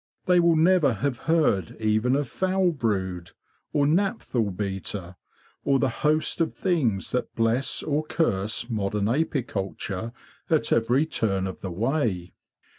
They will never have heard even of foul brood, or napthol beta, or the host of things that bless or curse modern apicul ture at every turn of the way.